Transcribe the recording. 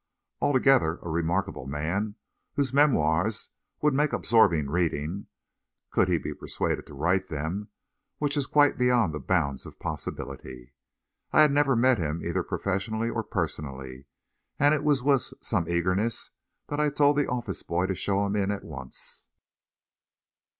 Altogether a remarkable man, whose memoirs would make absorbing reading, could he be persuaded to write them which is quite beyond the bounds of possibility. I had never met him either professionally or personally, and it was with some eagerness that I told the office boy to show him in at once.